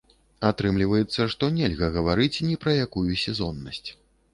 Атрымліваецца, што нельга гаварыць ні пра якую сезоннасць.